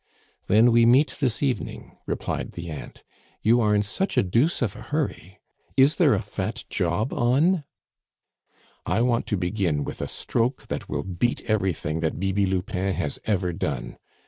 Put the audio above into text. "Then we meet this evening," replied the aunt, "you are in such a deuce of a hurry. Is there a fat job on?" "I want to begin with a stroke that will beat everything that Bibi Lupin has ever done.